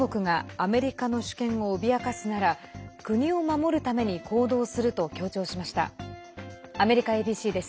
アメリカＡＢＣです。